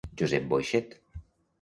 Josep Boixet.